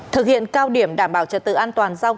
thực hiện cao điểm đảm bảo trật tự an toàn giao thông